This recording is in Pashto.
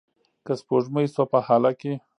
که سپوږمۍ شوه په هاله کې